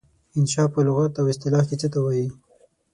انشأ په لغت او اصطلاح کې څه ته وايي؟